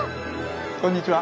こんにちは！